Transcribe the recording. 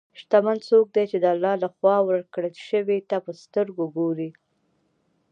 شتمن څوک دی چې د الله له خوا ورکړې ته په سترګو ګوري.